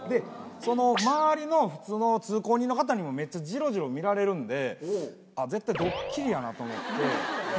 その周りの普通の通行人の方にもめっちゃじろじろ見られるんであっ絶対ドッキリやなと思って。